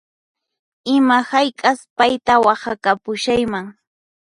Ima hayk'as payta waqhakapushayman